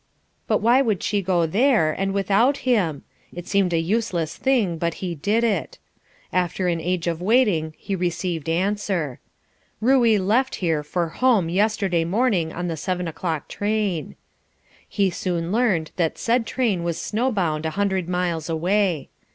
But why would she go there, and without him? It seemed a useless thing, but he did it. After an age of waiting he received answer "Ruey left here for home yesterday morning on the seven o'clock train." He soon learned that said train was snow bound a hundred miles away.